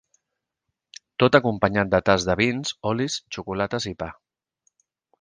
Tot acompanyat de tast de vins, olis, xocolates i pa.